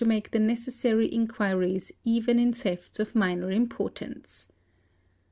make the necessary inquiries even in thefts of minor importance.